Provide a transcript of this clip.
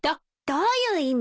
どういう意味？